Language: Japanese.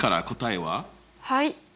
はい。